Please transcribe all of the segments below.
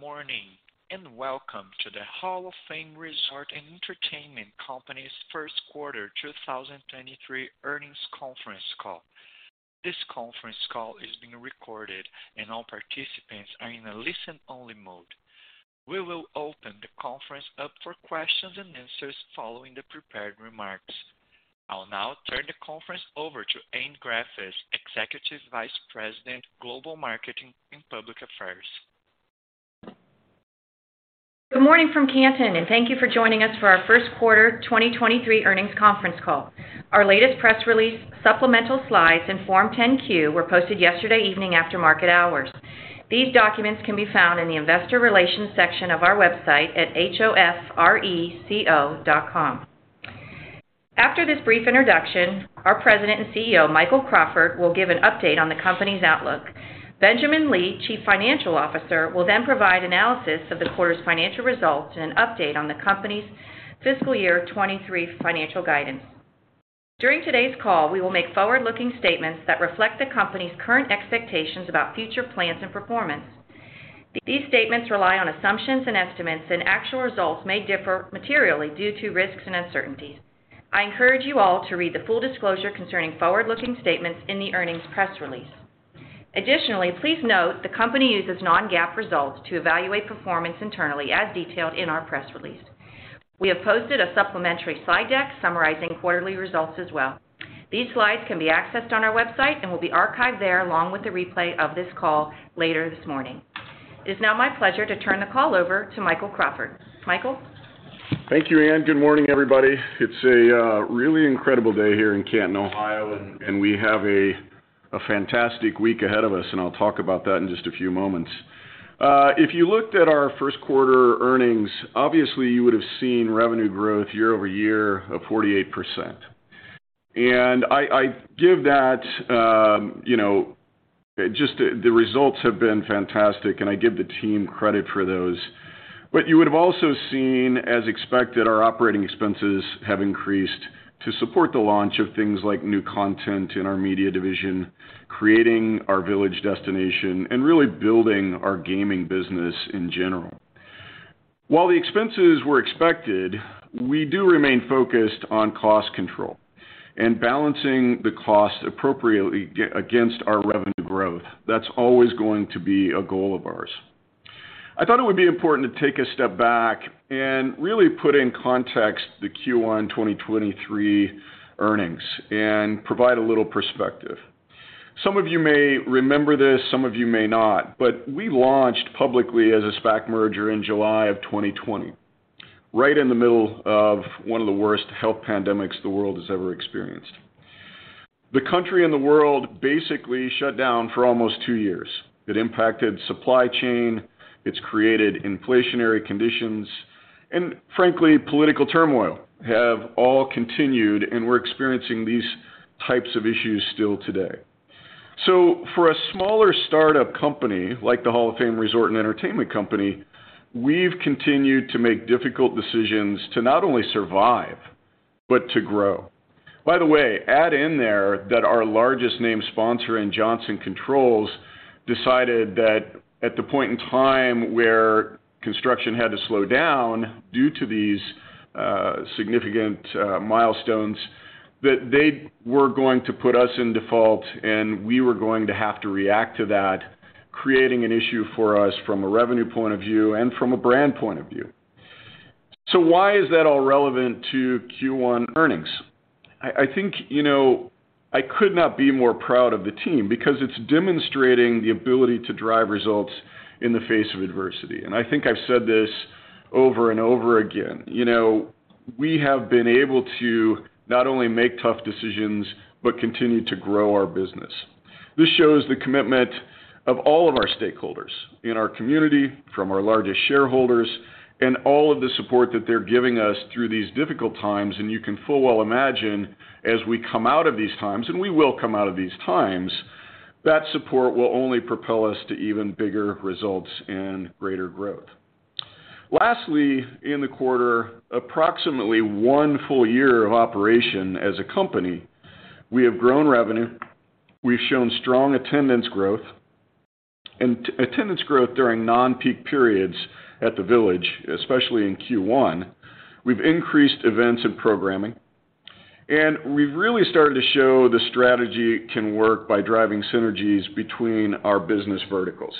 Good morning, welcome to the Hall of Fame Resort & Entertainment Company's 1st Quarter 2023 Earnings Conference Call. This conference call is being recorded and all participants are in a listen-only mode. We will open the conference up for questions and answers following the prepared remarks. I'll now turn the conference over to Anne Graffice, Executive Vice President, Global Marketing and Public Affairs. Good morning from Canton, thank you for joining us for our First Quarter 2023 Earnings Conference Call. Our latest press release, supplemental slides, and Form 10-Q were posted yesterday evening after market hours. These documents can be found in the investor relations section of our website at hofreco.com. After this brief introduction, our President and CEO, Michael Crawford, will give an update on the company's outlook. Benjamin Lee, Chief Financial Officer, will then provide analysis of the quarter's financial results and an update on the company's fiscal year 2023 financial guidance. During today's call, we will make forward-looking statements that reflect the company's current expectations about future plans and performance. These statements rely on assumptions and estimates, actual results may differ materially due to risks and uncertainties. I encourage you all to read the full disclosure concerning forward-looking statements in the earnings press release. Additionally, please note the company uses non-GAAP results to evaluate performance internally, as detailed in our press release. We have posted a supplementary slide deck summarizing quarterly results as well. These slides can be accessed on our website and will be archived there along with the replay of this call later this morning. It's now my pleasure to turn the call over to Michael Crawford. Michael? Thank you, Anne. Good morning, everybody. It's a really incredible day here in Canton, Ohio, and we have a fantastic week ahead of us, and I'll talk about that in just a few moments. If you looked at our first quarter earnings, obviously you would have seen revenue growth year-over-year of 48%. I give that, you know, just the results have been fantastic, and I give the team credit for those. You would have also seen, as expected, our operating expenses have increased to support the launch of things like new content in our media division, creating our village destination, and really building our gaming business in general. While the expenses were expected, we do remain focused on cost control and balancing the cost appropriately against our revenue growth. That's always going to be a goal of ours. I thought it would be important to take a step back and really put in context the Q1 2023 earnings and provide a little perspective. Some of you may remember this, some of you may not, but we launched publicly as a SPAC merger in July of 2020, right in the middle of one of the worst health pandemics the world has ever experienced. The country and the world basically shut down for almost two years. It impacted supply chain, it's created inflationary conditions, and frankly, political turmoil have all continued, and we're experiencing these types of issues still today. For a smaller startup company like the Hall of Fame Resort & Entertainment Company, we've continued to make difficult decisions to not only survive but to grow. By the way, add in there that our largest name sponsor in Johnson Controls decided that at the point in time where construction had to slow down due to these, significant milestones, that they were going to put us in default and we were going to have to react to that, creating an issue for us from a revenue point of view and from a brand point of view. Why is that all relevant to Q1 earnings? I think, you know, I could not be more proud of the team because it's demonstrating the ability to drive results in the face of adversity. I think I've said this over and over again. You know, we have been able to not only make tough decisions but continue to grow our business. This shows the commitment of all of our stakeholders in our community, from our largest shareholders, and all of the support that they're giving us through these difficult times. You can full well imagine as we come out of these times, and we will come out of these times, that support will only propel us to even bigger results and greater growth. Lastly, in the quarter, approximately 1 full year of operation as a company, we have grown revenue, we've shown strong attendance growth and attendance growth during non-peak periods at The Village, especially in Q1. We've increased events and programming, and we've really started to show the strategy can work by driving synergies between our business verticals.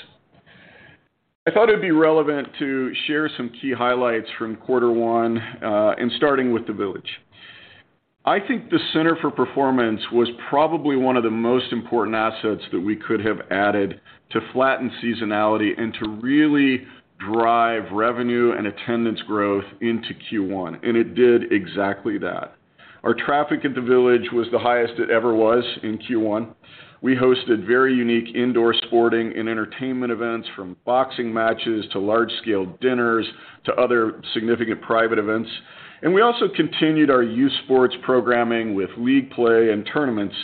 I thought it'd be relevant to share some key highlights from Q1, and starting with The Village. I think the Center for Performance was probably one of the most important assets that we could have added to flatten seasonality and to really drive revenue and attendance growth into Q1. It did exactly that. Our traffic at The Village was the highest it ever was in Q1. We hosted very unique indoor sporting and entertainment events, from boxing matches to large-scale dinners to other significant private events. We also continued our youth sports programming with league play and tournaments.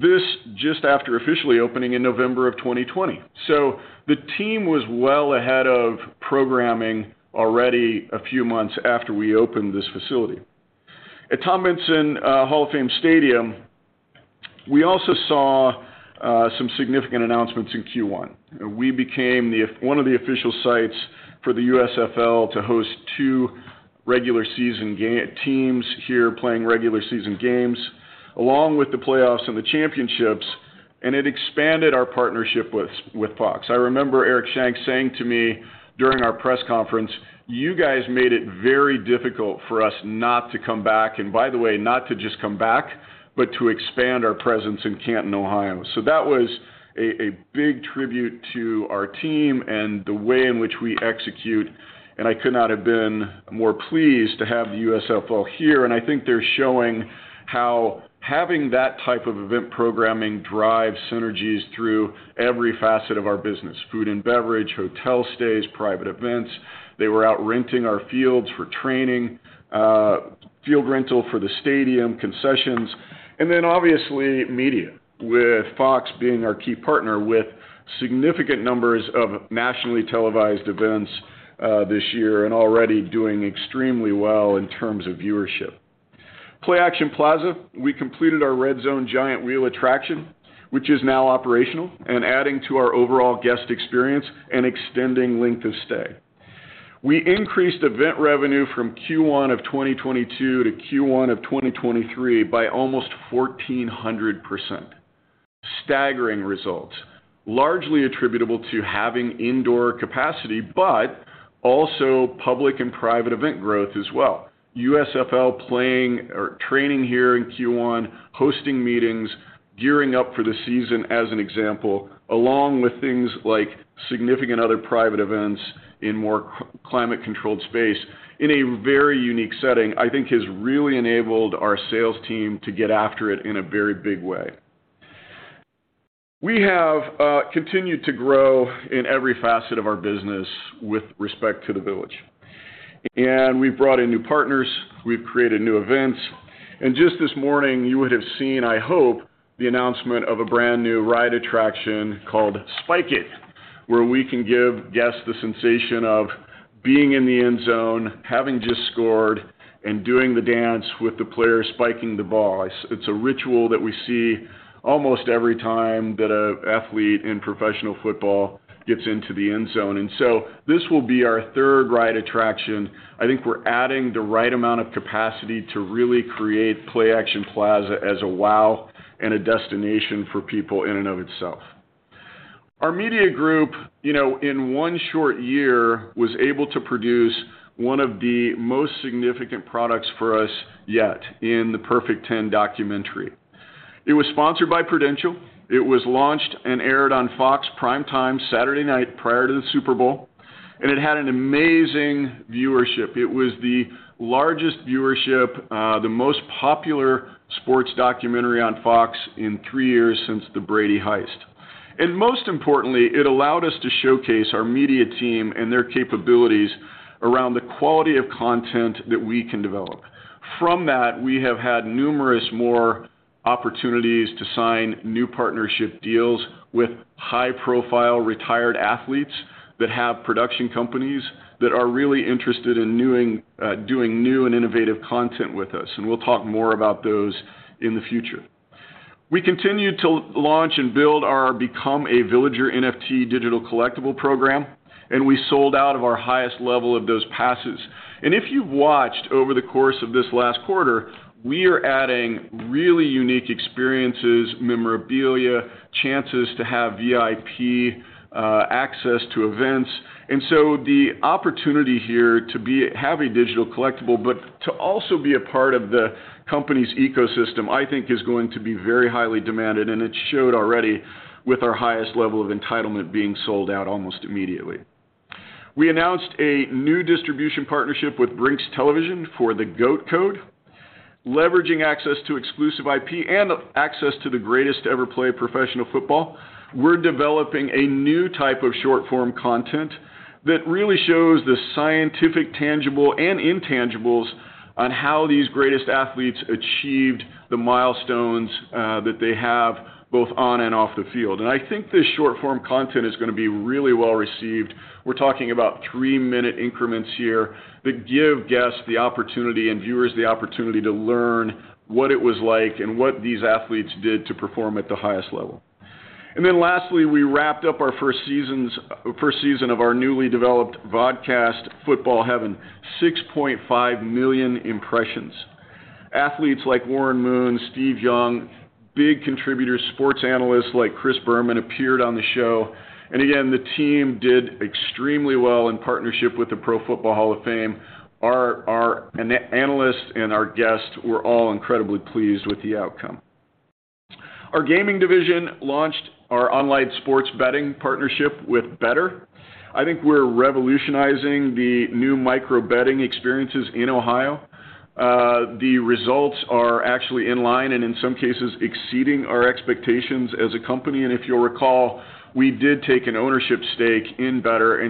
This just after officially opening in November of 2020. The team was well ahead of programming already a few months after we opened this facility. At Tom Benson Hall of Fame Stadium. We also saw some significant announcements in Q1. We became one of the official sites for the USFL to host two regular season teams here playing regular season games, along with the playoffs and the championships. It expanded our partnership with Fox. I remember Eric Shanks saying to me during our press conference, "You guys made it very difficult for us not to come back, and by the way, not to just come back, but to expand our presence in Canton, Ohio." That was a big tribute to our team and the way in which we execute. I could not have been more pleased to have the USFL here. I think they're showing how having that type of event programming drives synergies through every facet of our business: food and beverage, hotel stays, private events. They were out renting our fields for training, field rental for the stadium concessions, and then obviously media, with FOX being our key partner with significant numbers of nationally televised events, this year, and already doing extremely well in terms of viewership. Play-Action Plaza, we completed our Red Zone giant wheel attraction, which is now operational and adding to our overall guest experience and extending length of stay. We increased event revenue from Q1 of 2022 to Q1 of 2023 by almost 1,400%. Staggering results, largely attributable to having indoor capacity, but also public and private event growth as well. USFL playing or training here in Q1, hosting meetings, gearing up for the season as an example, along with things like significant other private events in more climate-controlled space in a very unique setting, I think has really enabled our sales team to get after it in a very big way. We have continued to grow in every facet of our business with respect to the Village. We've brought in new partners, we've created new events. Just this morning you would have seen, I hope, the announcement of a brand-new ride attraction called Spike It!, where we can give guests the sensation of being in the end zone, having just scored, and doing the dance with the player spiking the ball. It's a ritual that we see almost every time that an athlete in professional football gets into the end zone. This will be our third ride attraction. I think we're adding the right amount of capacity to really create Play Action Plaza as a wow and a destination for people in and of itself. Our media group, you know, in one short year, was able to produce one of the most significant products for us yet in The Perfect Ten documentary. It was sponsored by Prudential. It was launched and aired on Fox prime time Saturday night prior to the Super Bowl, and it had an amazing viewership. It was the largest viewership, the most popular sports documentary on Fox in three years since The Brady Heist. Most importantly, it allowed us to showcase our media team and their capabilities around the quality of content that we can develop. From that, we have had numerous more opportunities to sign new partnership deals with high-profile retired athletes that have production companies that are really interested in doing new and innovative content with us, and we'll talk more about those in the future. We continued to launch and build our Become a Villager NFT digital collectible program, and we sold out of our highest level of those passes. If you've watched over the course of this last quarter, we are adding really unique experiences, memorabilia, chances to have VIP access to events. The opportunity here to have a digital collectible, but to also be a part of the company's ecosystem, I think is going to be very highly demanded, and it showed already with our highest level of entitlement being sold out almost immediately. We announced a new distribution partnership with BRINX.TV for The GOAT Code, leveraging access to exclusive IP and access to the greatest to ever play professional football. We're developing a new type of short-form content that really shows the scientific tangible and intangibles on how these greatest athletes achieved the milestones that they have both on and off the field. I think this short-form content is gonna be really well-received. We're talking about 3-minute increments here that give guests the opportunity and viewers the opportunity to learn what it was like and what these athletes did to perform at the highest level. Lastly, we wrapped up our first season of our newly developed vodcast, Football Heaven, 6.5 million impressions. Athletes like Warren Moon, Steve Young, big contributors, sports analysts like Chris Berman appeared on the show. Again, the team did extremely well in partnership with the Pro Football Hall of Fame. Our analyst and our guests were all incredibly pleased with the outcome. Our gaming division launched our online sports betting partnership with Betr. I think we're revolutionizing the new micro-betting experiences in Ohio. The results are actually in line and in some cases exceeding our expectations as a company. If you'll recall, we did take an ownership stake in Betr.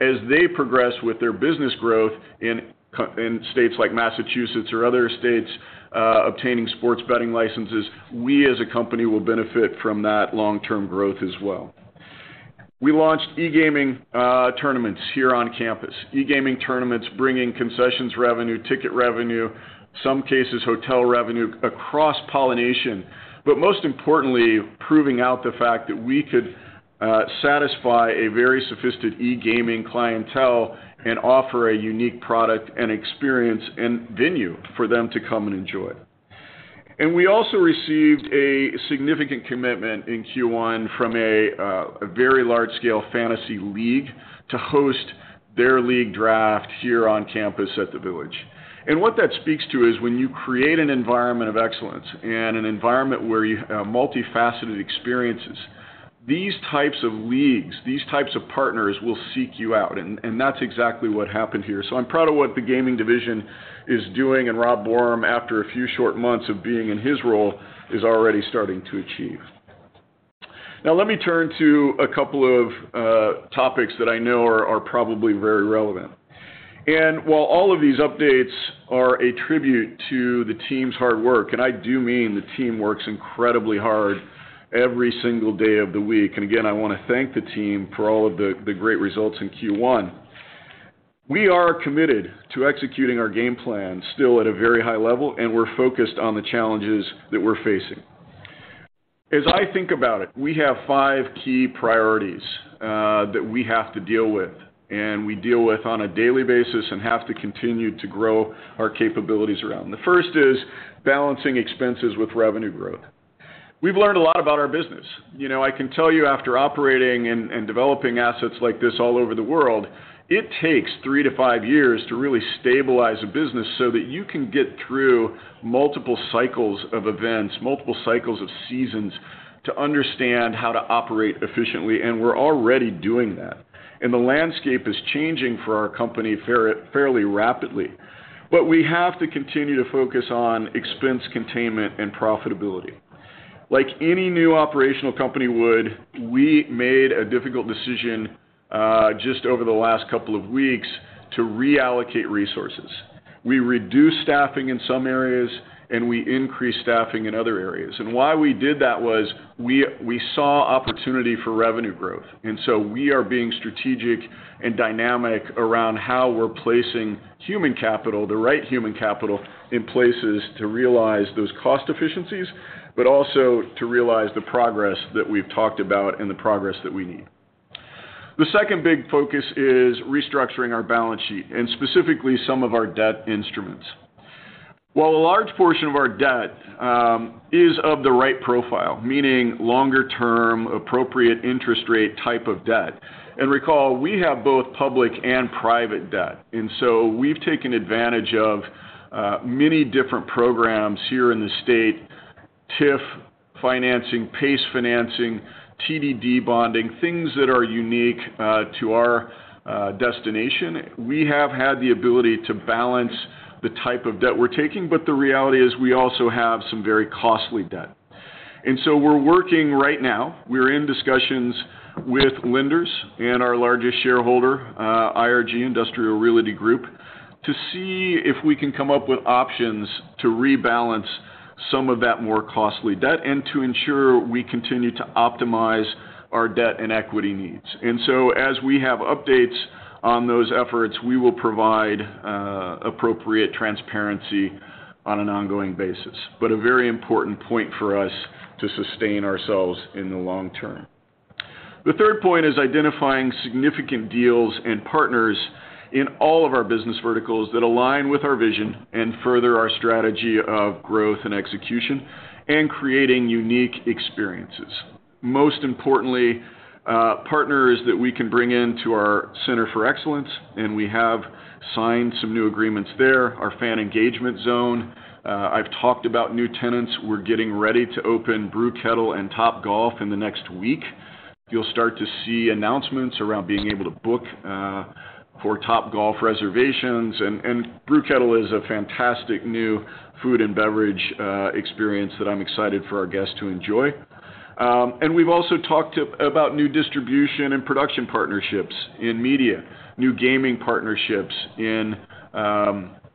As they progress with their business growth in states like Massachusetts or other states, obtaining sports betting licenses, we as a company will benefit from that long-term growth as well. We launched e-gaming tournaments here on campus. E-gaming tournaments bringing concessions revenue, ticket revenue, some cases hotel revenue, a cross-pollination. Most importantly, proving out the fact that we could satisfy a very sophisticated e-gaming clientele and offer a unique product and experience and venue for them to come and enjoy. We also received a significant commitment in Q1 from a very large scale fantasy league to host their league draft here on campus at the Village. What that speaks to is when you create an environment of excellence and an environment where you have multifaceted experiences, these types of leagues, these types of partners will seek you out, and that's exactly what happened here. I'm proud of what the gaming division is doing, and Rob Bormann, after a few short months of being in his role, is already starting to achieve. Let me turn to a couple of topics that I know are probably very relevant. While all of these updates are a tribute to the team's hard work, I do mean the team works incredibly hard every single day of the week, and again, I wanna thank the team for all of the great results in Q1, we are committed to executing our game plan still at a very high level, and we're focused on the challenges that we're facing. As I think about it, we have five key priorities that we have to deal with and we deal with on a daily basis and have to continue to grow our capabilities around. The first is balancing expenses with revenue growth. We've learned a lot about our business. You know, I can tell you after operating and developing assets like this all over the world, it takes three to five years to really stabilize a business so that you can get through multiple cycles of events, multiple cycles of seasons to understand how to operate efficiently, and we're already doing that. The landscape is changing for our company fairly rapidly. We have to continue to focus on expense containment and profitability. Like any new operational company would, we made a difficult decision just over the last couple of weeks to reallocate resources. We reduced staffing in some areas, and we increased staffing in other areas. Why we did that was we saw opportunity for revenue growth. We are being strategic and dynamic around how we're placing human capital, the right human capital, in places to realize those cost efficiencies, but also to realize the progress that we've talked about and the progress that we need. The second big focus is restructuring our balance sheet and specifically some of our debt instruments. While a large portion of our debt is of the right profile, meaning longer term, appropriate interest rate type of debt, and recall we have both public and private debt. We've taken advantage of many different programs here in the state, TIF financing, PACE financing, TDD bonding, things that are unique to our destination. We have had the ability to balance the type of debt we're taking, but the reality is we also have some very costly debt. We're working right now, we're in discussions with lenders and our largest shareholder, IRG, Industrial Realty Group, to see if we can come up with options to rebalance some of that more costly debt and to ensure we continue to optimize our debt and equity needs. As we have updates on those efforts, we will provide appropriate transparency on an ongoing basis. A very important point for us to sustain ourselves in the long term. The third point is identifying significant deals and partners in all of our business verticals that align with our vision and further our strategy of growth and execution and creating unique experiences. Most importantly, partners that we can bring into our Center for Excellence, and we have signed some new agreements there, our fan engagement zone. I've talked about new tenants. We're getting ready to open The Brew Kettle and Topgolf in the next week. You'll start to see announcements around being able to book for Topgolf reservations, and The Brew Kettle is a fantastic new food and beverage experience that I'm excited for our guests to enjoy. We've also talked about new distribution and production partnerships in media, new gaming partnerships in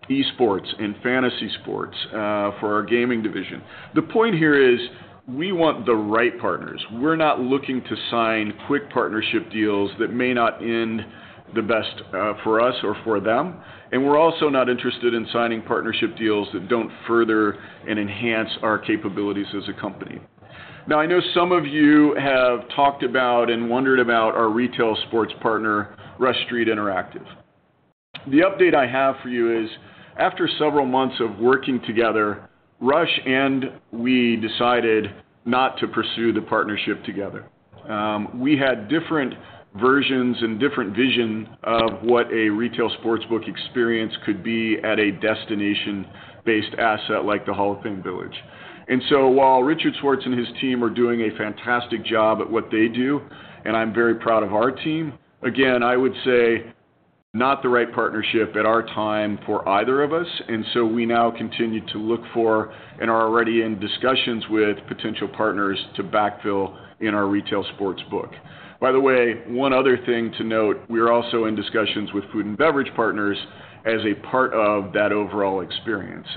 esports, in fantasy sports for our gaming division. The point here is we want the right partners. We're not looking to sign quick partnership deals that may not end the best for us or for them. We're also not interested in signing partnership deals that don't further and enhance our capabilities as a company. Now I know some of you have talked about and wondered about our retail sports partner, Rush Street Interactive. The update I have for you is after several months of working together, Rush and we decided not to pursue the partnership together. We had different versions and different vision of what a retail sportsbook experience could be at a destination-based asset like the Hall of Fame Village. While Richard Schwartz and his team are doing a fantastic job at what they do, and I'm very proud of our team, again, I would say not the right partnership at our time for either of us. We now continue to look for and are already in discussions with potential partners to backfill in our retail sportsbook. By the way, one other thing to note, we are also in discussions with food and beverage partners as a part of that overall experience.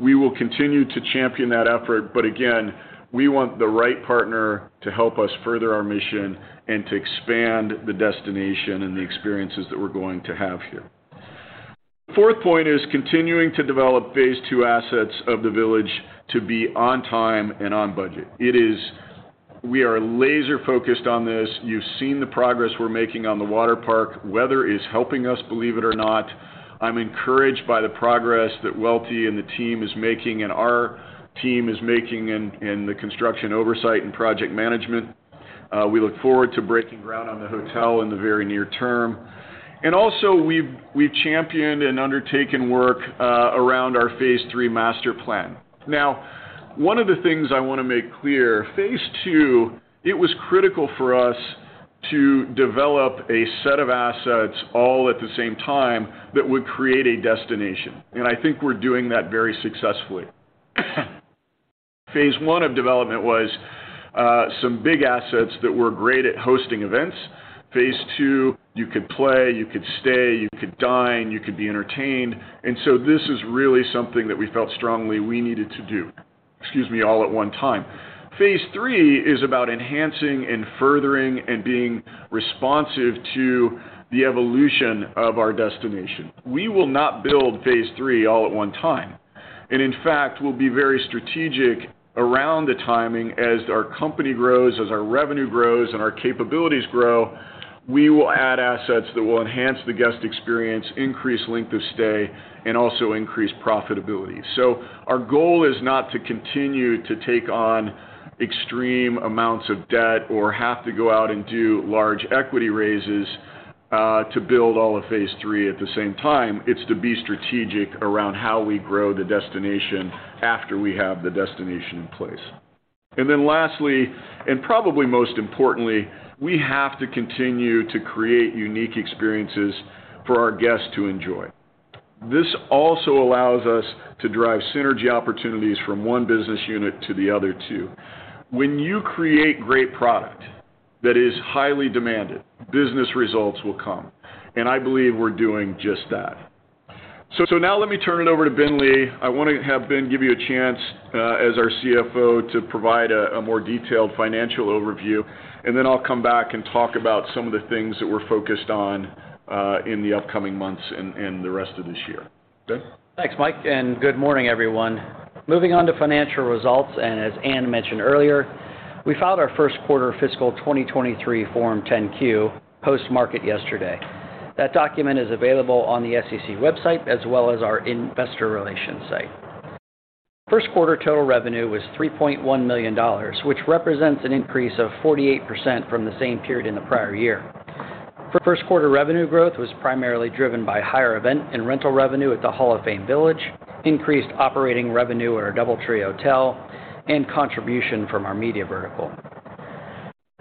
We will continue to champion that effort. Again, we want the right partner to help us further our mission and to expand the destination and the experiences that we're going to have here. The fourth point is continuing to develop phase two assets of the village to be on time and on budget. We are laser-focused on this. You've seen the progress we're making on the water park. Weather is helping us, believe it or not. I'm encouraged by the progress that Welty and the team is making and our team is making in the construction oversight and project management. We look forward to breaking ground on the hotel in the very near term. Also, we've championed and undertaken work around our phase three master plan. One of the things I wanna make clear, phase two, it was critical for us to develop a set of assets all at the same time that would create a destination, and I think we're doing that very successfully. phase one of development was some big assets that were great at hosting events. phase two, you could play, you could stay, you could dine, you could be entertained. This is really something that we felt strongly we needed to do, excuse me, all at one time. phase three is about enhancing and furthering and being responsive to the evolution of our destination. We will not build phase three all at one time, and in fact, we'll be very strategic around the timing. As our company grows, as our revenue grows, and our capabilities grow, we will add assets that will enhance the guest experience, increase length of stay, and also increase profitability. Our goal is not to continue to take on extreme amounts of debt or have to go out and do large equity raises to build all of phase three at the same time. It's to be strategic around how we grow the destination after we have the destination in place. Then lastly, and probably most importantly, we have to continue to create unique experiences for our guests to enjoy. This also allows us to drive synergy opportunities from one business unit to the other two. When you create great product that is highly demanded, business results will come, and I believe we're doing just that. Now let me turn it over to Ben Lee. I wanna have Ben give you a chance as our CFO to provide a more detailed financial overview, and then I'll come back and talk about some of the things that we're focused on in the upcoming months and the rest of this year. Ben? Thanks, Mike. Good morning, everyone. Moving on to financial results, and as Anne mentioned earlier, we filed our first quarter fiscal 2023 Form 10-Q post-market yesterday. That document is available on the SEC website as well as our Investor Relations site. First quarter total revenue was $3.1 million, which represents an increase of 48% from the same period in the prior year. For first quarter revenue growth was primarily driven by higher event and rental revenue at the Hall of Fame Village, increased operating revenue at our DoubleTree Hotel, and contribution from our media vertical.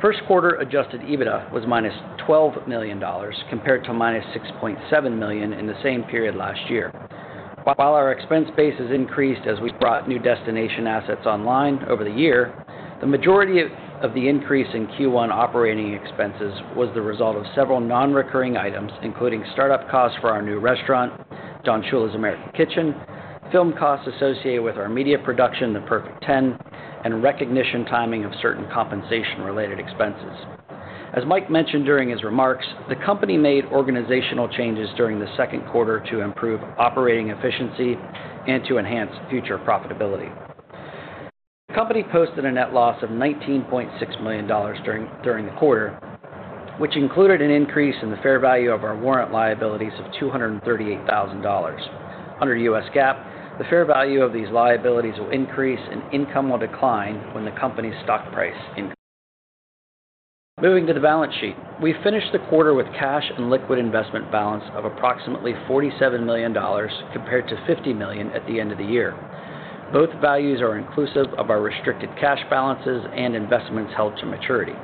First quarter Adjusted EBITDA was -$12 million compared to -$6.7 million in the same period last year. While our expense base has increased as we brought new destination assets online over the year, the majority of the increase in Q1 operating expenses was the result of several non-recurring items, including startup costs for our new restaurant, Don Shula's American Kitchen, film costs associated with our media production, The Perfect Ten, and recognition timing of certain compensation-related expenses. As Mike mentioned during his remarks, the company made organizational changes during the second quarter to improve operating efficiency and to enhance future profitability. The company posted a net loss of $19.6 million during the quarter, which included an increase in the fair value of our warrant liabilities of $238,000. Under U.S. GAAP, the fair value of these liabilities will increase and income will decline when the company's stock price increases. Moving to the balance sheet. We finished the quarter with cash and liquid investment balance of approximately $47 million compared to $50 million at the end of the year. Both values are inclusive of our restricted cash balances and investments held to maturity.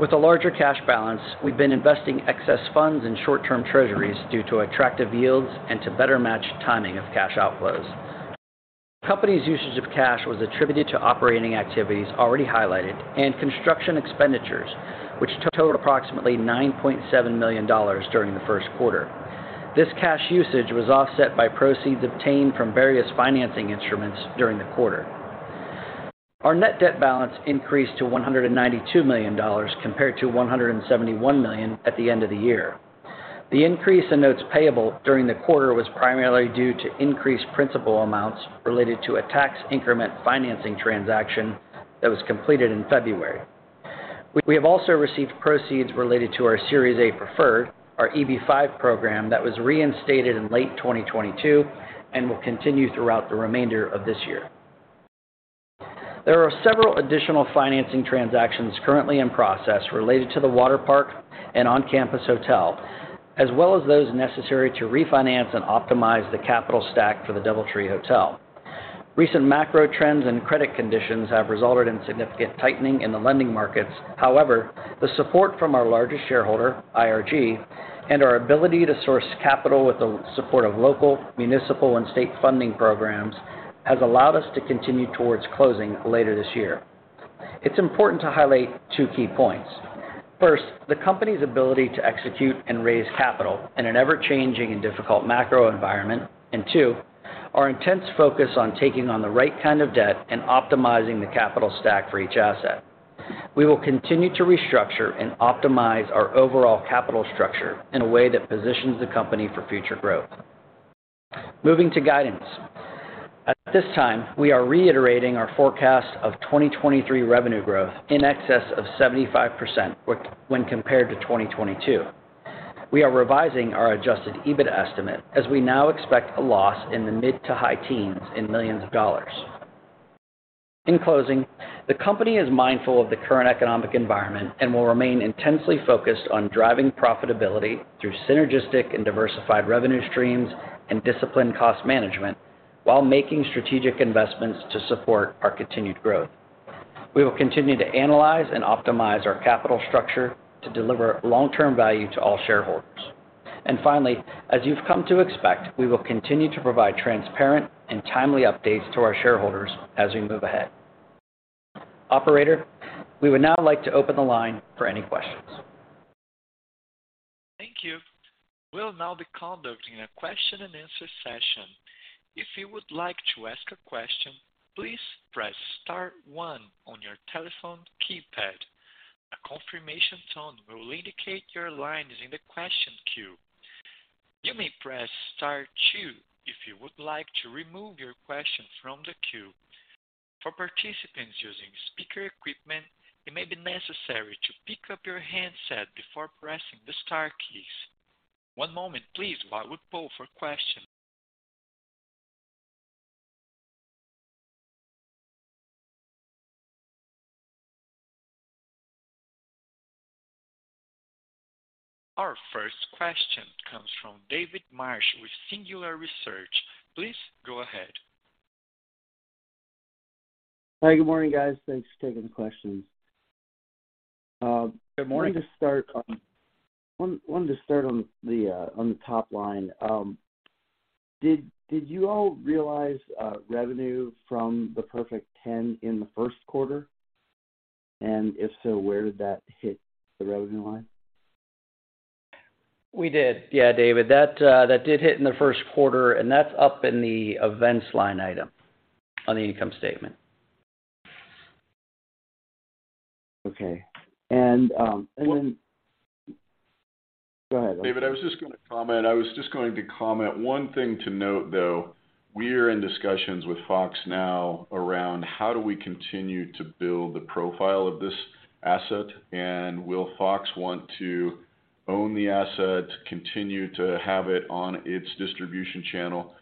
With a larger cash balance, we've been investing excess funds in short-term treasuries due to attractive yields and to better match timing of cash outflows. Company's usage of cash was attributed to operating activities already highlighted and construction expenditures, which totaled approximately $9.7 million during the first quarter. This cash usage was offset by proceeds obtained from various financing instruments during the quarter. Our net debt balance increased to $192 million compared to $171 million at the end of the year. The increase in notes payable during the quarter was primarily due to increased principal amounts related to a Tax Increment Financing transaction that was completed in February. We have also received proceeds related to our Series A Preferred, our EB-5 program that was reinstated in late 2022 and will continue throughout the remainder of this year. There are several additional financing transactions currently in process related to the water park and on-campus hotel, as well as those necessary to refinance and optimize the capital stack for the DoubleTree Hotel. Recent macro trends and credit conditions have resulted in significant tightening in the lending markets. The support from our largest shareholder, IRG, and our ability to source capital with the support of local, municipal, and state funding programs has allowed us to continue towards closing later this year. It's important to highlight two key points. First, the company's ability to execute and raise capital in an ever-changing and difficult macro environment. Two, our intense focus on taking on the right kind of debt and optimizing the capital stack for each asset. We will continue to restructure and optimize our overall capital structure in a way that positions the company for future growth. Moving to guidance. At this time, we are reiterating our forecast of 2023 revenue growth in excess of 75% when compared to 2022. We are revising our Adjusted EBITDA estimate as we now expect a loss in the mid to high teens in millions of dollars. In closing, the company is mindful of the current economic environment and will remain intensely focused on driving profitability through synergistic and diversified revenue streams and disciplined cost management while making strategic investments to support our continued growth. We will continue to analyze and optimize our capital structure to deliver long-term value to all shareholders. Finally, as you've come to expect, we will continue to provide transparent and timely updates to our shareholders as we move ahead. Operator, we would now like to open the line for any questions. Thank you. We'll now be conducting a question and answer session. If you would like to ask a question, please press star one on your telephone keypad. A confirmation tone will indicate your line is in the question queue. You may press star two if you would like to remove your question from the queue. For participants using speaker equipment, it may be necessary to pick up your handset before pressing the star keys. One moment please while we poll for questions. Our first question comes from David Marsh with Singular Research. Please go ahead. Hi, good morning, guys. Thanks for taking the questions. Good morning. Wanted to start on the top line. Did you all realize revenue from The Perfect Ten in the first quarter? If so, where did that hit the revenue line? We did. Yeah, David. That, that did hit in the first quarter, and that's up in the events line item on the income statement. Okay. Go ahead, I'm sorry. David, I was just going to comment. One thing to note, though, we are in discussions with Fox now around how do we continue to build the profile of this asset, and will Fox want to own the asset, continue to have it on its distribution channel.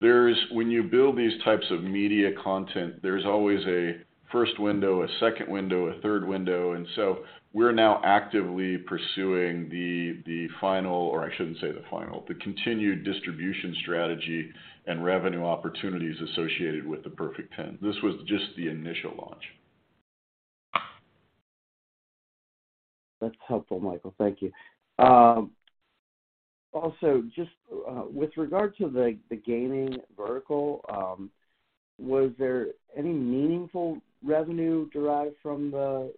There's. When you build these types of media content, there's always a first window, a second window, a third window, and so we're now actively pursuing the final, or I shouldn't say the final, the continued distribution strategy and revenue opportunities associated with The Perfect Ten. This was just the initial launch. That's helpful, Michael. Thank you. Also, just with regard to the gaming vertical, was there any meaningful revenue derived from the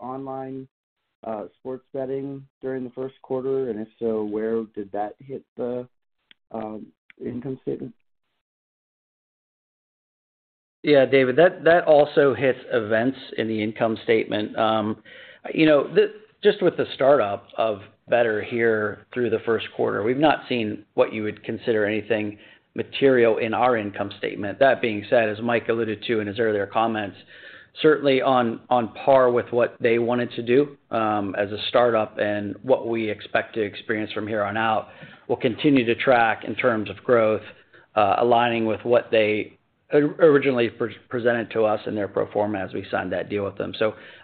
online sports betting during the first quarter? If so, where did that hit the income statement? Yeah, David, that also hits events in the income statement. you know, just with the startup of Betr here through the first quarter, we've not seen what you would consider anything material in our income statement. That being said, as Mike alluded to in his earlier comments, certainly on par with what they wanted to do, as a startup and what we expect to experience from here on out will continue to track in terms of growth, aligning with what they originally presented to us in their pro forma as we signed that deal with them.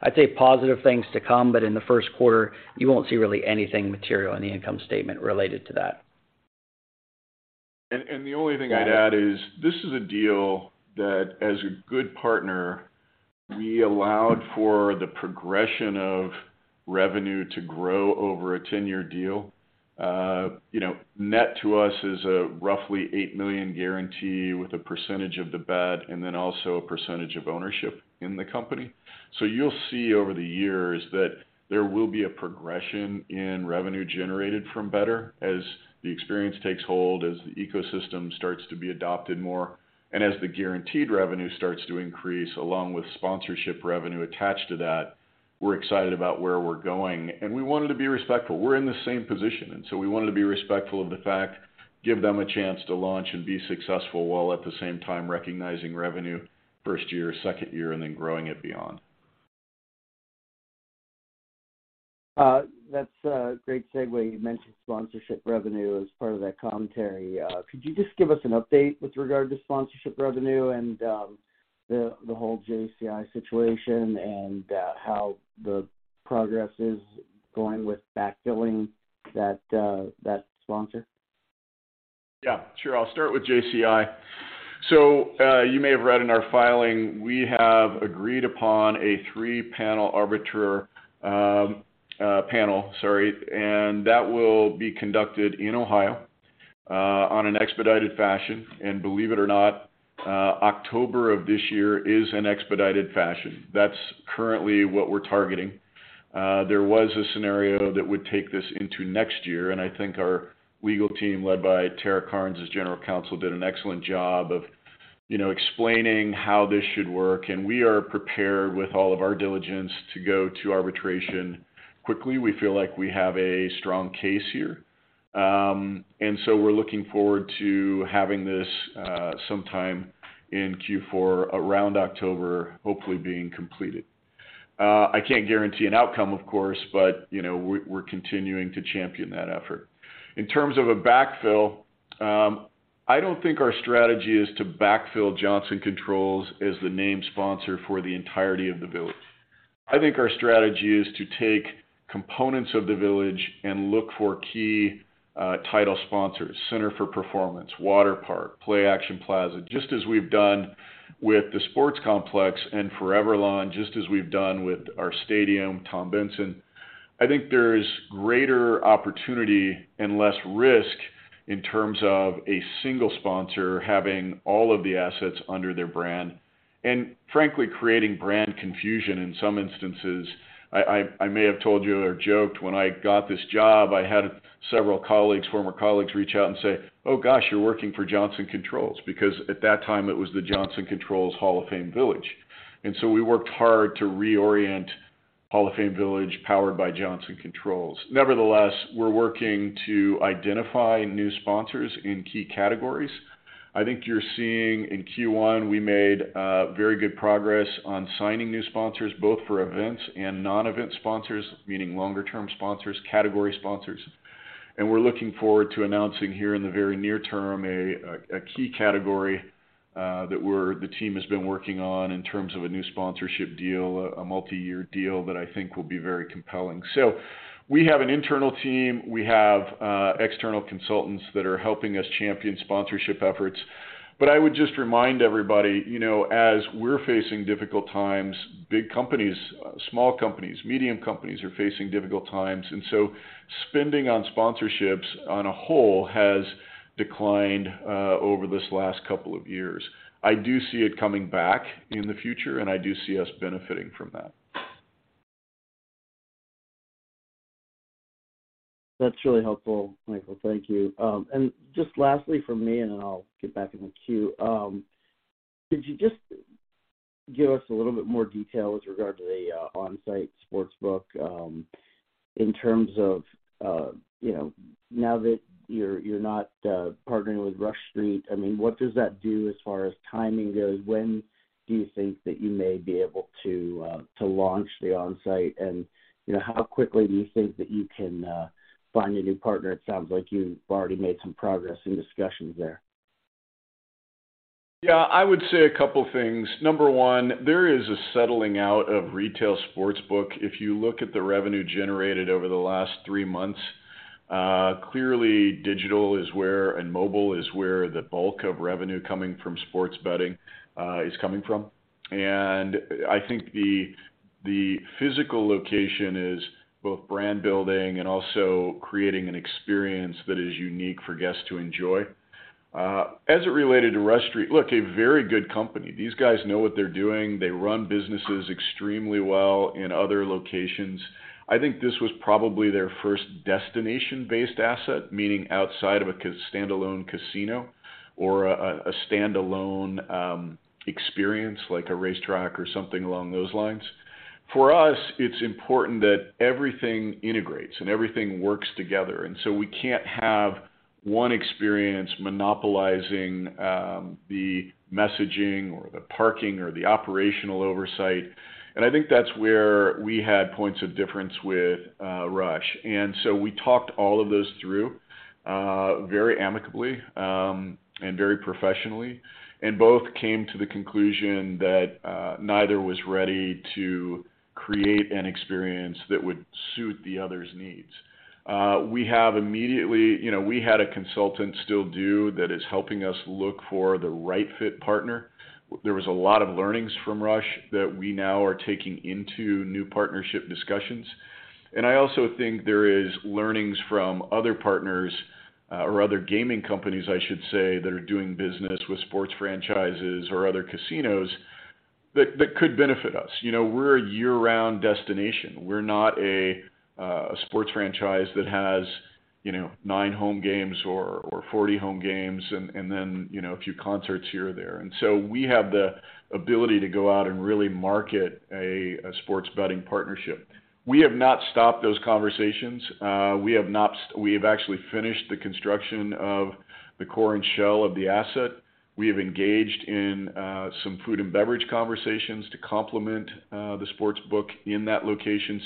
I'd say positive things to come, but in the first quarter you won't see really anything material in the income statement related to that. The only thing I'd add is this is a deal that, as a good partner, we allowed for the progression of revenue to grow over a 10-year deal. You know, net to us is a roughly $8 million guarantee with a percentage of the bet and then also a percentage of ownership in the company. You'll see over the years that there will be a progression in revenue generated from Betr as the experience takes hold, as the ecosystem starts to be adopted more, and as the guaranteed revenue starts to increase along with sponsorship revenue attached to that, we're excited about where we're going. We wanted to be respectful. We're in the same position, and so we wanted to be respectful of the fact, give them a chance to launch and be successful, while at the same time recognizing revenue first year, second year, and then growing it beyond. That's a great segue. You mentioned sponsorship revenue as part of that commentary. Could you just give us an update with regard to sponsorship revenue and the whole JCI situation and how the progress is going with backfilling that sponsor? Yeah, sure. I'll start with JCI. You may have read in our filing, we have agreed upon a 3-panel arbiter panel, sorry, that will be conducted in Ohio on an expedited fashion. Believe it or not, October of this year is an expedited fashion. That's currently what we're targeting There was a scenario that would take this into next year, and I think our legal team, led by Tara Carnes as general counsel, did an excellent job of, you know, explaining how this should work, and we are prepared with all of our diligence to go to arbitration quickly. We feel like we have a strong case here. We're looking forward to having this sometime in Q4, around October, hopefully being completed. I can't guarantee an outcome, of course, you know, we're continuing to champion that effort. In terms of a backfill, I don't think our strategy is to backfill Johnson Controls as the name sponsor for the entirety of The Village. I think our strategy is to take components of The Village and look for key title sponsors, Center for Performance, Water Park, Play-Action Plaza, just as we've done with the sports complex, and ForeverLawn, just as we've done with our stadium, Tom Benson. I think there's greater opportunity and less risk in terms of a single sponsor having all of the assets under their brand, and frankly, creating brand confusion in some instances. I may have told you or joked when I got this job, I had several colleagues, former colleagues, reach out and say, "Oh, gosh, you're working for Johnson Controls," because at that time it was the Johnson Controls Hall of Fame Village. We worked hard to reorient Hall of Fame Village powered by Johnson Controls. Nevertheless, we're working to identify new sponsors in key categories. I think you're seeing in Q1, we made very good progress on signing new sponsors, both for events and non-event sponsors, meaning longer-term sponsors, category sponsors. We're looking forward to announcing here in the very near term a key category that the team has been working on in terms of a new sponsorship deal, a multi-year deal that I think will be very compelling. We have an internal team. We have external consultants that are helping us champion sponsorship efforts. I would just remind everybody, you know, as we're facing difficult times, big companies, small companies, medium companies are facing difficult times. Spending on sponsorships on a whole has declined over this last couple of years. I do see it coming back in the future, and I do see us benefiting from that. That's really helpful, Michael. Thank you. Just lastly from me, then I'll get back in the queue. Could you just give us a little bit more detail with regard to the on-site sports book, in terms of, you know, now that you're not partnering with Rush Street, I mean, what does that do as far as timing goes? When do you think that you may be able to launch the on-site? You know, how quickly do you think that you can find a new partner? It sounds like you've already made some progress in discussions there. Yeah. I would say a couple things. Number one, there is a settling out of retail sports book. If you look at the revenue generated over the last three months, clearly digital is where and mobile is where the bulk of revenue coming from sports betting is coming from. I think the physical location is both brand building and also creating an experience that is unique for guests to enjoy. As it related to Rush Street, look, a very good company. These guys know what they're doing. They run businesses extremely well in other locations. I think this was probably their first destination-based asset, meaning outside of a standalone casino or a standalone experience like a racetrack or something along those lines. For us, it's important that everything integrates and everything works together, we can't have one experience monopolizing, the messaging or the parking or the operational oversight. I think that's where we had points of difference with Rush. We talked all of those through, very amicably, and very professionally, and both came to the conclusion that, neither was ready to create an experience that would suit the other's needs. We have immediately. You know, we had a consultant, Still Do, that is helping us look for the right fit partner. There was a lot of learnings from Rush that we now are taking into new partnership discussions. I also think there is learnings from other partners or other gaming companies, I should say, that are doing business with sports franchises or other casinos that could benefit us. You know, we're a year-round destination. We're not a sports franchise that has, you know, nine home games or 40 home games and then, you know, a few concerts here or there. We have the ability to go out and really market a sports betting partnership. We have not stopped those conversations. We have actually finished the construction of the core and shell of the asset. We have engaged in some food and beverage conversations to complement the sports book in that location.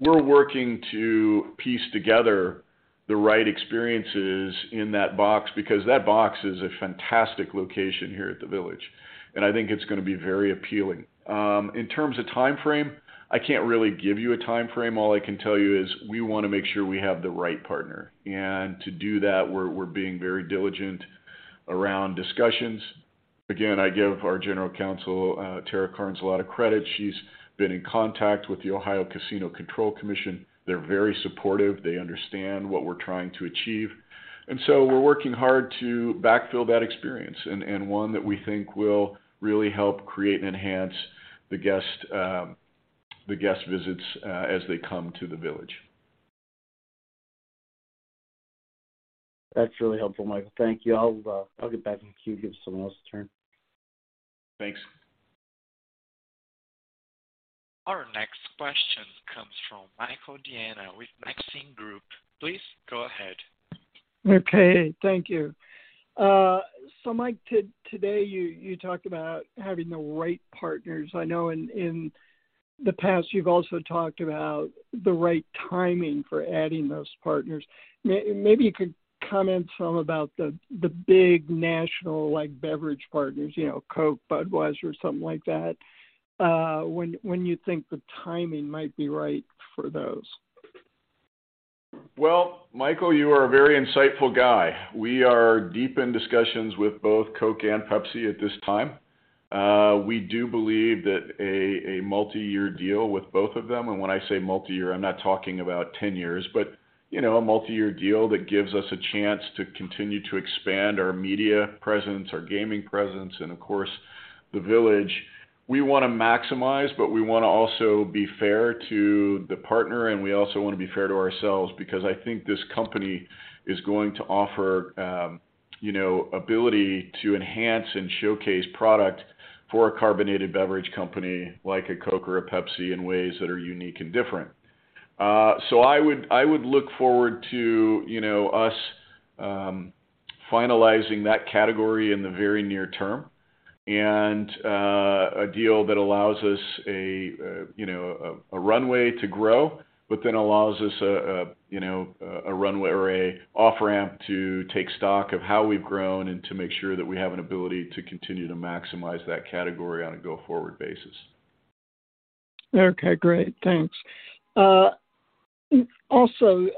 We're working to piece together the right experiences in that box because that box is a fantastic location here at The Village, and I think it's gonna be very appealing. In terms of timeframe, I can't really give you a timeframe. All I can tell you is we wanna make sure we have the right partner. To do that, we're being very diligent around discussions. Again, I give our General Counsel, Tara Carnes, a lot of credit. She's been in contact with the Ohio Casino Control Commission. They're very supportive. They understand what we're trying to achieve. So we're working hard to backfill that experience and one that we think will really help create and enhance the guest, the guest visits, as they come to The Village. That's really helpful, Michael. Thank you. I'll get back in queue, give someone else a turn. Thanks. Our next question comes from Michael Diana with Maxim Group. Please go ahead. Okay, thank you. Mike, today you talked about having the right partners. I know in the past, you've also talked about the right timing for adding those partners. Maybe you could comment some about the big national like beverage partners, you know, Coke, Budweiser, something like that, when you think the timing might be right for those. Well, Michael, you are a very insightful guy. We are deep in discussions with both Coke and Pepsi at this time. We do believe that a multi-year deal with both of them, and when I say multi-year, I'm not talking about 10 years, but, you know, a multi-year deal that gives us a chance to continue to expand our media presence, our gaming presence, and of course, the village. We wanna maximize, but we wanna also be fair to the partner, and we also wanna be fair to ourselves because I think this company is going to offer, you know, ability to enhance and showcase product for a carbonated beverage company like a Coke or a Pepsi in ways that are unique and different. I would look forward to, you know, us finalizing that category in the very near term and a deal that allows us a, you know, a runway to grow, but then allows us a, you know, a runway or a off-ramp to take stock of how we've grown and to make sure that we have an ability to continue to maximize that category on a go-forward basis. Okay, great. Thanks. Also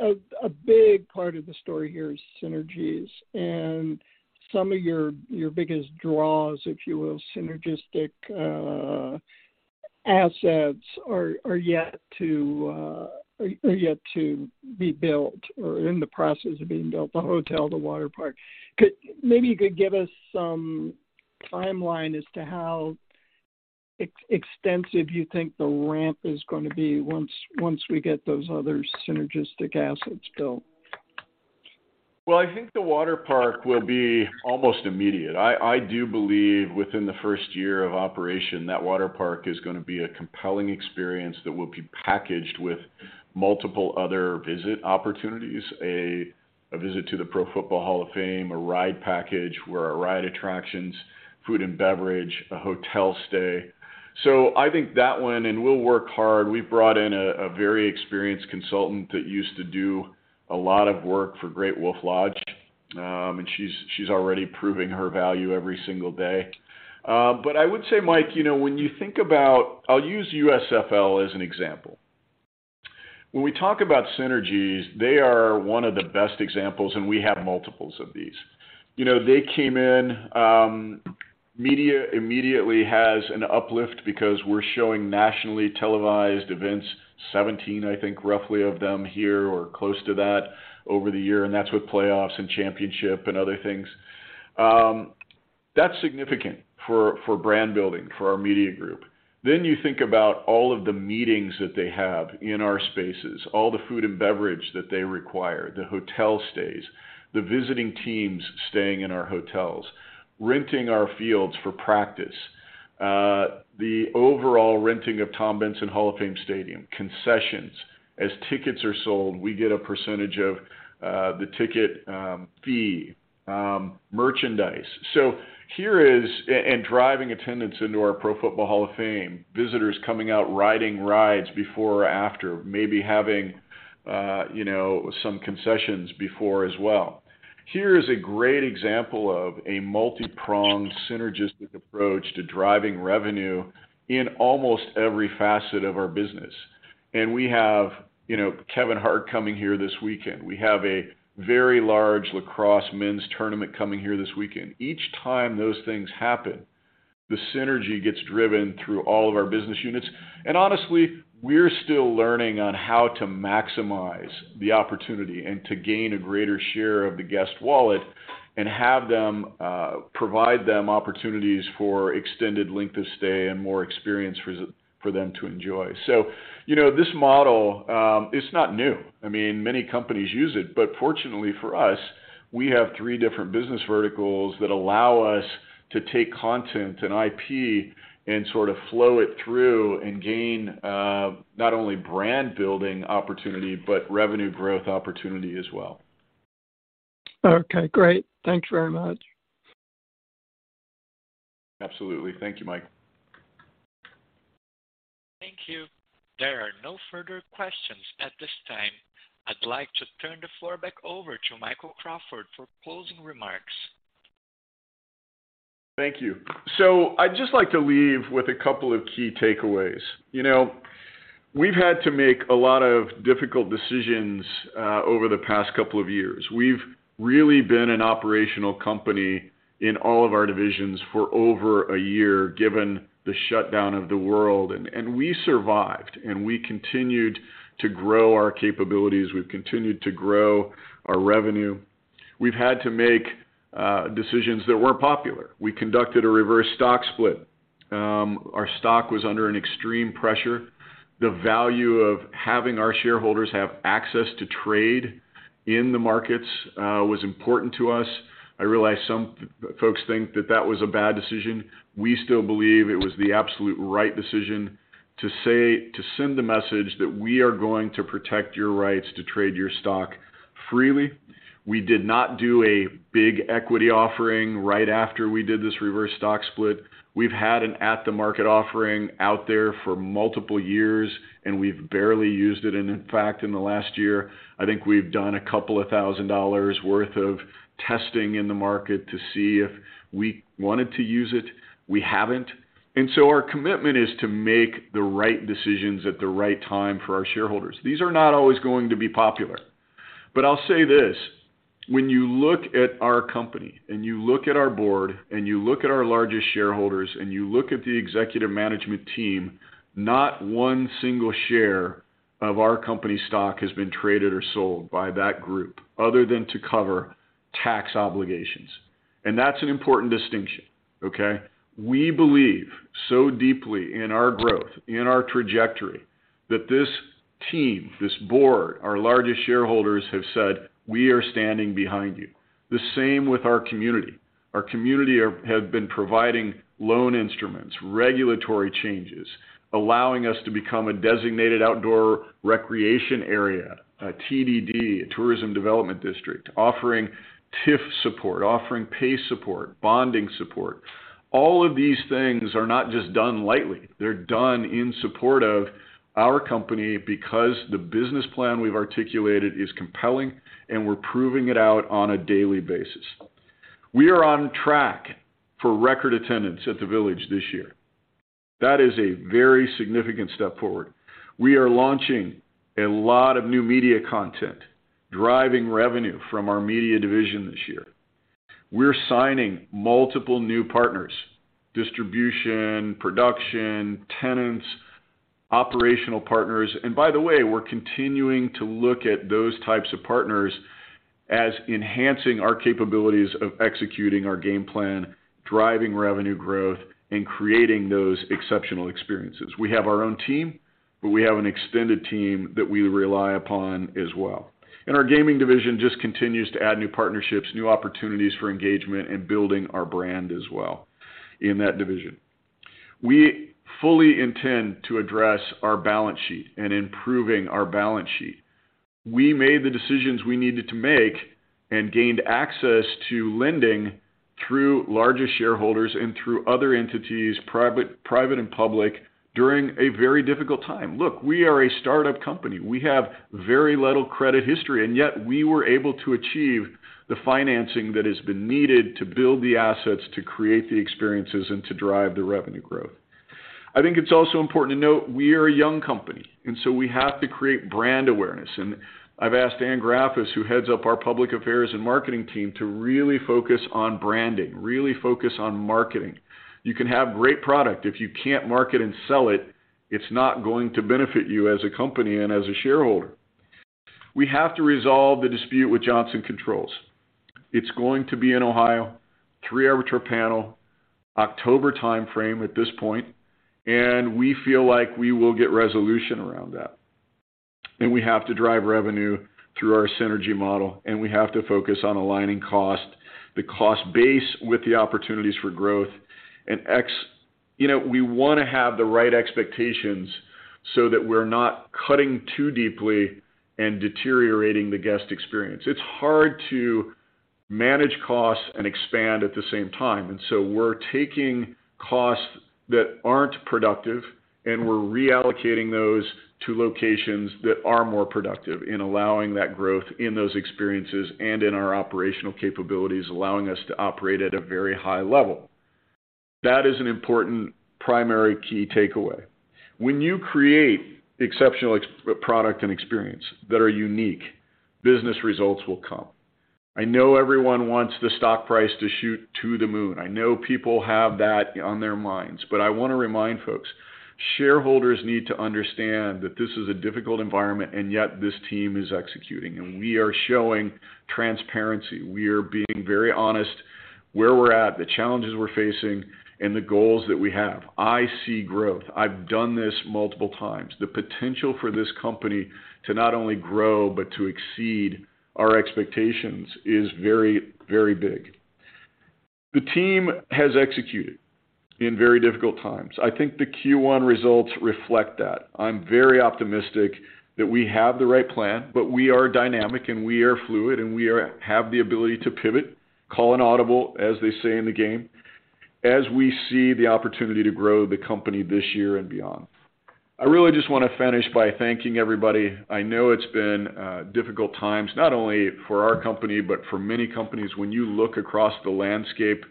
a big part of the story here is synergies and some of your biggest draws, if you will, synergistic assets are yet to be built or in the process of being built, the hotel, the water park. Maybe you could give us some timeline as to how extensive you think the ramp is gonna be once we get those other synergistic assets built. Well, I think the water park will be almost immediate. I do believe within the first year of operation, that water park is gonna be a compelling experience that will be packaged with multiple other visit opportunities, a visit to the Pro Football Hall of Fame, a ride package where our ride attractions, food and beverage, a hotel stay. I think that one, and we'll work hard, we brought in a very experienced consultant that used to do a lot of work for Great Wolf Lodge, and she's already proving her value every single day. I would say, Mike, you know, when you think about. I'll use USFL as an example. When we talk about synergies, they are one of the best examples, and we have multiples of these. You know, they came in, media immediately has an uplift because we're showing nationally televised events, 17, I think, roughly of them here or close to that over the year, and that's with playoffs and championship and other things. That's significant for brand building for our media group. You think about all of the meetings that they have in our spaces, all the food and beverage that they require, the hotel stays, the visiting teams staying in our hotels, renting our fields for practice, the overall renting of Tom Benson Hall of Fame Stadium, concessions. As tickets are sold, we get a percentage of the ticket, fee, merchandise. Here is. Driving attendance into our Pro Football Hall of Fame, visitors coming out riding rides before or after maybe having, you know, some concessions before as well. Here is a great example of a multi-pronged synergistic approach to driving revenue in almost every facet of our business. We have, you know, Kevin Hart coming here this weekend. We have a very large lacrosse men's tournament coming here this weekend. Each time those things happen, the synergy gets driven through all of our business units. Honestly, we're still learning on how to maximize the opportunity and to gain a greater share of the guest wallet and have them provide them opportunities for extended length of stay and more experience for them to enjoy. You know, this model is not new. I mean, many companies use it, but fortunately for us, we have three different business verticals that allow us to take content and IP and sort of flow it through and gain, not only brand building opportunity, but revenue growth opportunity as well. Okay, great. Thank you very much. Absolutely. Thank you, Mike. Thank you. There are no further questions at this time. I'd like to turn the floor back over to Michael Crawford for closing remarks. Thank you. I'd just like to leave with a couple of key takeaways. You know, we've had to make a lot of difficult decisions over the past couple of years. We've really been an operational company in all of our divisions for over a year, given the shutdown of the world, and we survived, and we continued to grow our capabilities. We've continued to grow our revenue. We've had to make decisions that weren't popular. We conducted a reverse stock split. Our stock was under an extreme pressure. The value of having our shareholders have access to trade in the markets was important to us. I realize some folks think that that was a bad decision. We still believe it was the absolute right decision to send the message that we are going to protect your rights to trade your stock freely. We did not do a big equity offering right after we did this reverse stock split. We've had an at-the-market offering out there for multiple years, and we've barely used it. In fact, in the last year, I think we've done $2,000 worth of testing in the market to see if we wanted to use it. We haven't. Our commitment is to make the right decisions at the right time for our shareholders. These are not always going to be popular. I'll say this, when you look at our company and you look at our board and you look at our largest shareholders and you look at the executive management team, not one single share of our company stock has been traded or sold by that group other than to cover tax obligations. That's an important distinction, okay? We believe so deeply in our growth, in our trajectory, that this team, this board, our largest shareholders, have said, "We are standing behind you." The same with our community. Our community have been providing loan instruments, regulatory changes, allowing us to become a Designated Outdoor Refreshment Area, a TDD, a tourism development district, offering TIF support, offering PACE support, bonding support. All of these things are not just done lightly. They're done in support of our company because the business plan we've articulated is compelling, and we're proving it out on a daily basis. We are on track for record attendance at the village this year. That is a very significant step forward. We are launching a lot of new media content, driving revenue from our media division this year. We're signing multiple new partners, distribution, production, tenants, operational partners. By the way, we're continuing to look at those types of partners as enhancing our capabilities of executing our game plan, driving revenue growth, and creating those exceptional experiences. We have our own team, but we have an extended team that we rely upon as well. Our gaming division just continues to add new partnerships, new opportunities for engagement, and building our brand as well in that division. We fully intend to address our balance sheet and improving our balance sheet. We made the decisions we needed to make and gained access to lending through larger shareholders and through other entities, private and public, during a very difficult time. Look, we are a startup company. We have very little credit history, and yet we were able to achieve the financing that has been needed to build the assets, to create the experiences, and to drive the revenue growth. I think it's also important to note we are a young company. We have to create brand awareness. I've asked Anne Graffice, who heads up our public affairs and marketing team, to really focus on branding, really focus on marketing. You can have great product. If you can't market and sell it's not going to benefit you as a company and as a shareholder. We have to resolve the dispute with Johnson Controls. It's going to be in Ohio, 3-arbitrator panel, October timeframe at this point. We feel like we will get resolution around that. We have to drive revenue through our synergy model, and we have to focus on aligning cost, the cost base with the opportunities for growth. You know, we wanna have the right expectations so that we're not cutting too deeply and deteriorating the guest experience. It's hard to manage costs and expand at the same time, and so we're taking costs that aren't productive, and we're reallocating those to locations that are more productive in allowing that growth in those experiences and in our operational capabilities, allowing us to operate at a very high level. That is an important primary key takeaway. When you create exceptional product and experience that are unique, business results will come. I know everyone wants the stock price to shoot to the moon. I know people have that on their minds. I wanna remind folks, shareholders need to understand that this is a difficult environment, and yet this team is executing, and we are showing transparency. We are being very honest where we're at, the challenges we're facing, and the goals that we have. I see growth. I've done this multiple times. The potential for this company to not only grow but to exceed our expectations is very, very big. The team has executed in very difficult times. I think the Q1 results reflect that. I'm very optimistic that we have the right plan, but we are dynamic and we are fluid and we have the ability to pivot, call an audible, as they say in the game, as we see the opportunity to grow the company this year and beyond. I really just wanna finish by thanking everybody. I know it's been difficult times, not only for our company, but for many companies. When you look across the landscape,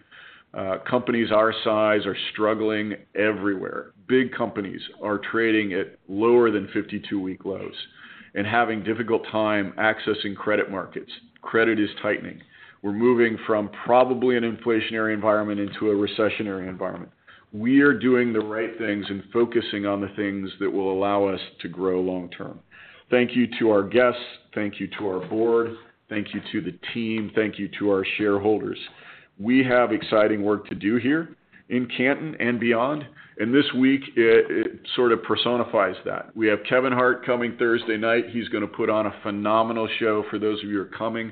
companies our size are struggling everywhere. Big companies are trading at lower than 52-week lows and having difficult time accessing credit markets. Credit is tightening. We're moving from probably an inflationary environment into a recessionary environment. We are doing the right things and focusing on the things that will allow us to grow long term. Thank you to our guests. Thank you to our board. Thank you to the team. Thank you to our shareholders. We have exciting work to do here in Canton and beyond. This week it sort of personifies that. We have Kevin Hart coming Thursday night. He's gonna put on a phenomenal show for those of you who are coming.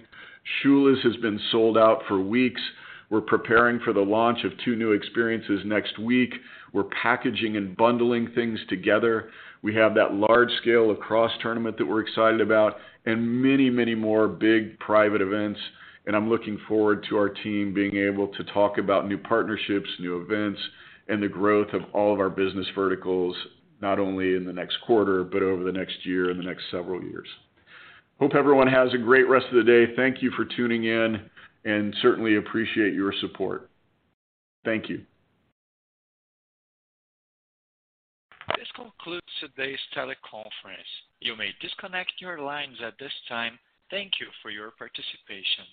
Shula's has been sold out for weeks. We're preparing for the launch of two new experiences next week. We're packaging and bundling things together. We have that large-scale lacrosse tournament that we're excited about and many, many more big private events. I'm looking forward to our team being able to talk about new partnerships, new events, and the growth of all of our business verticals, not only in the next quarter, but over the next year and the next several years. Hope everyone has a great rest of the day. Thank you for tuning in and certainly appreciate your support. Thank you. This concludes today's teleconference. You may disconnect your lines at this time. Thank you for your participation.